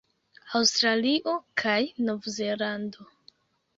Aŭstralio kaj Novzelando